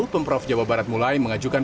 pemprov jawa barat mulai mengajukan